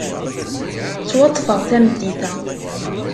Ttwaṭṭfeɣ tameddit-a.